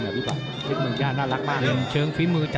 ก็บอกว่าช่วงหลังนี้ส้มจริงอยู่ป่ะ